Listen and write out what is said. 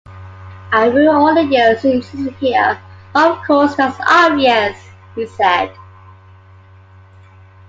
"I rue all the years she isn't here, of course, that's obvious," he said.